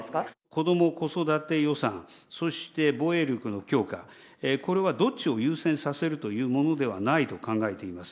こども子育て予算、そして防衛力の強化、これはどっちを優先させるというものではないと考えています。